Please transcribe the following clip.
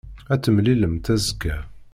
Ad t-temlilemt azekka.